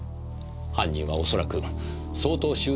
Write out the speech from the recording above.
犯人は恐らく相当執念